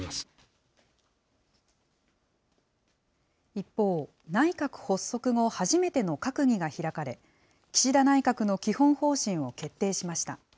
一方、内閣発足後、初めての閣議が開かれ、岸田内閣の基本方針を決定しました。